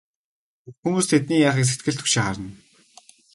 Бүх хүмүүс тэдний яахыг сэтгэл түгшин харна.